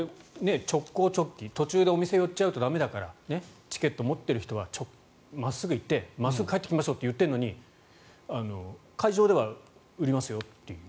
直行直帰、途中でお店に寄っちゃうと駄目だからチケットを持っている人は真っすぐ行って真っすぐ帰りましょうと言っているのに会場では売りますよと。